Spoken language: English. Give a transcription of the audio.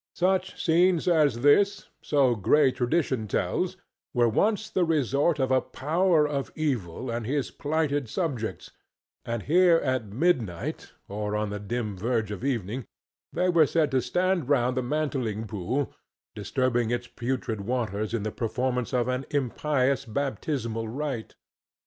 Such scenes as this (so gray tradition tells) were once the resort of a power of evil and his plighted subjects, and here at midnight or on the dim verge of evening they were said to stand round the mantling pool disturbing its putrid waters in the performance of an impious baptismal rite.